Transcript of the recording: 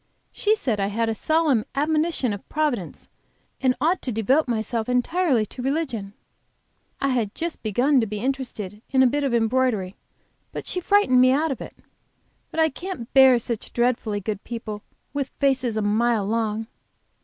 She said I had a solemn admonition of Providence, and ought to devote myself entirely to religion. I had just begun to be interested in a bit of embroidery, but she frightened me out of it. But I can't bear such dreadfully good people, with faces a mile long."